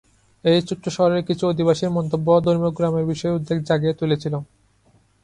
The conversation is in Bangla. এই ছোট্ট শহরের কিছু অধিবাসীর মন্তব্য ধর্মীয় গোঁড়ামির বিষয়ে উদ্বেগ জাগিয়ে তুলেছিল।